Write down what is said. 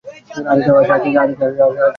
আচ্ছা, আরেকটা গল্প বলি।